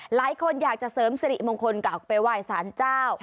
หลายคนอยากจะเสริมสิริมงคลกลับไปไหว้สารเจ้า